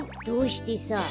どうしてさ。